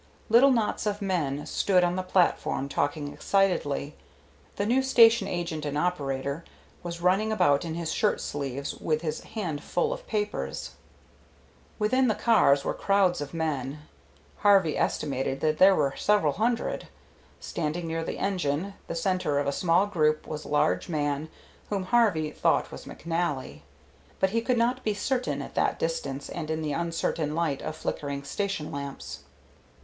Little knots of men stood on the platform talking excitedly. The new station agent and operator was running about in his shirt sleeves with his hand full of papers. Within the cars were crowds of men; Harvey estimated that there were several hundred. Standing near the engine, the centre of a small group, was a large man whom Harvey thought was McNally, but he could not be certain at that distance and in the uncertain light of flickering station lamps.